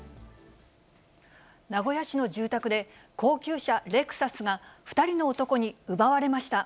名古屋市の住宅で、高級車、レクサスが２人の男に奪われました。